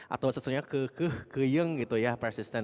atau sesuanya kekeyeng gitu ya presiden